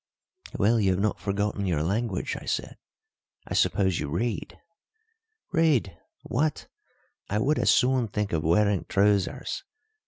"Well, you have not forgotten your language," I said. "I suppose you read?" "Read! What! I would as soon think of wearing trousers.